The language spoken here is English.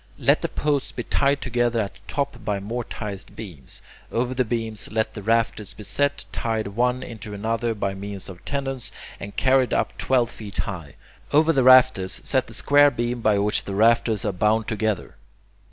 Let the posts be tied together at the top by mortised beams. Over the beams let the rafters be set, tied one into another by means of tenons, and carried up twelve feet high. Over the rafters set the square beam by which the rafters are bound together.